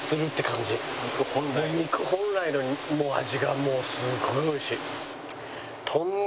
肉本来の味がもうすごい美味しい。